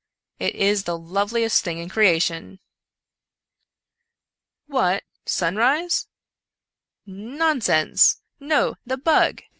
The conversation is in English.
It is the loveliest thing in creation !" "What?— sunrise?" " Nonsense ! no !— the bug.